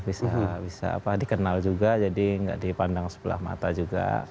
bisa dikenal juga jadi nggak dipandang sebelah mata juga